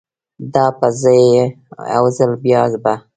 دا به زه یم، یوځل بیا به